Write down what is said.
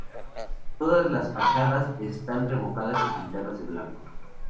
Todas las fachadas están revocadas y pintadas de blanco.